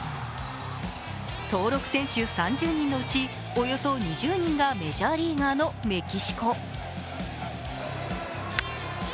登録選手３０人のうちおよそ２０人がメジャーリーガーのメキシコ。